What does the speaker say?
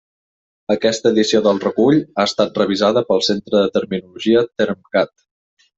Aquesta edició del recull ha estat revisada pel centre de terminologia TERMCAT.